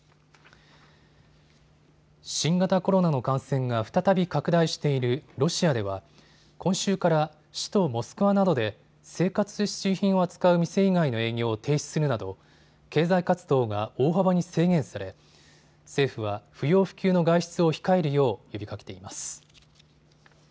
新型コロナの感染が再び拡大しているロシアでは今週から首都モスクワなどで生活必需品を扱う店以外の営業を停止するなど経済活動が大幅に制限され政府は不要不急の外出を控えるよう呼びかけています。